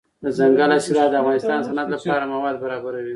دځنګل حاصلات د افغانستان د صنعت لپاره مواد برابروي.